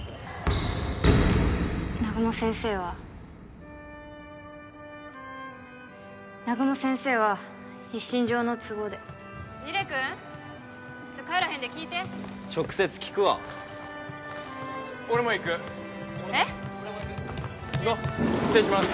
南雲先生は南雲先生は一身上の都合で楡君ちょっ帰らへんで聞いて直接聞くわ俺も行く俺も行く失礼します